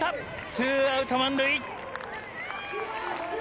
ツーアウト満塁。